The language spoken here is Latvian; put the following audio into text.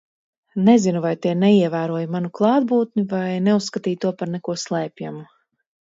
Nezinu, vai tie neievēroja manu klātbūtni, vai neuzskatīja to par neko slēpjamu.